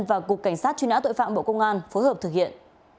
và cục cảnh sát truy nã tội phạm bộ công an phối hợp thực hiện